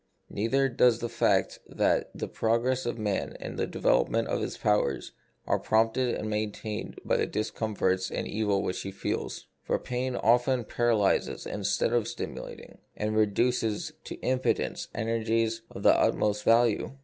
Neither does the fact that the pro gress of man and the development of his powers are prompted and maintained by the discomforts and evils which he feels. For pain often paralyses instead of stimulating, and reduces to impotence energies of the utmost value.